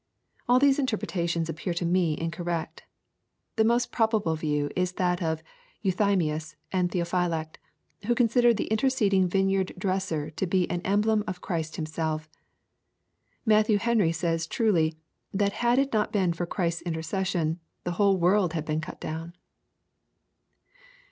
— ^All these interpretations appear to me incorrecti The most probable view is that of Euthymius and Theophylact^ who consider the interceding vineyard dresser to be an emblem of Christ Himself. Matthew Henry says truly, " that had it not been for Christ's intercession, the whole world had been cut down."